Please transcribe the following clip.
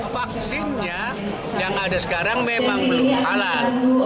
vaksinnya yang ada sekarang memang belum halal